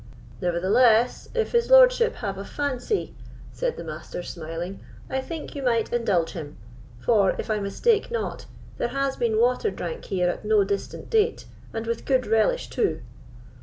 "Nevertheless, if his lordship have a fancy," said the Master, smiling, "I think you might indulge him; for, if I mistake not, there has been water drank here at no distant date, and with good relish too."